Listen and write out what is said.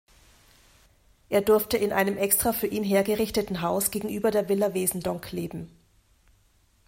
Er durfte in einem extra für ihn hergerichteten Haus gegenüber der Villa Wesendonck leben.